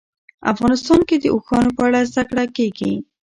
افغانستان کې د اوښانو په اړه زده کړه کېږي.